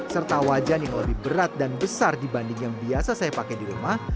serta wajan yang lebih berat dan besar dibanding yang biasa saya pakai di rumah